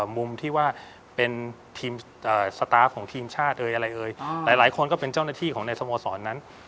มุมที่ว่าเป็นทีมสตาร์ฟของทีมชาติเอ่ยอะไรเอ่ยหลายคนก็เป็นเจ้าหน้าที่ของในสโมสรนั้น